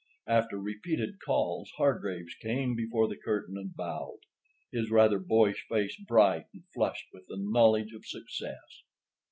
After repeated calls, Hargraves came before the curtain and bowed, his rather boyish face bright and flushed with the knowledge of success.